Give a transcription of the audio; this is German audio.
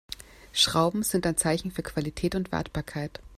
Schrauben sind ein Zeichen für Qualität und Wartbarkeit.